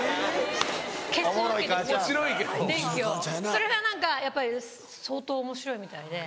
それが何かやっぱり相当おもしろいみたいで。